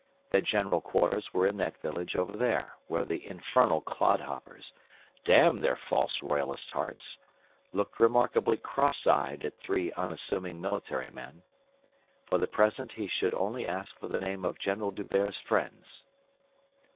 Their general quarters were in that village over there where the infernal clodhoppers damn their false royalist hearts looked remarkably cross eyed at three unassuming military men. For the present he should only ask for the name of General D'Hubert's friends.